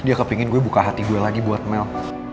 dia kepingin gue buka hati gue lagi buat mel